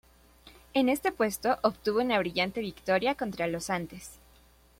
En este puesto, obtuvo una brillante victoria contra los antes.